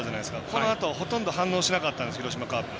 このあとほとんど反応しなかったんです広島カープ。